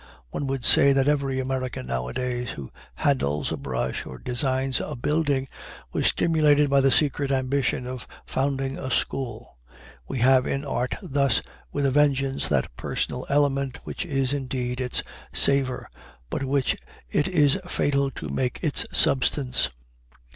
One would say that every American nowadays who handles a brush or designs a building, was stimulated by the secret ambition of founding a school. We have in art thus, with a vengeance, that personal element which is indeed its savor, but which it is fatal to make its substance.